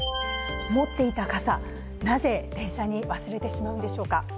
持っていた傘、なぜ電車に忘れてしまうんでしょうか。